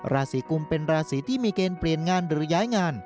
ราศีกุมเป็นราศีที่มีเกณฑ์เปลี่ยนงานหรือย้ายงาน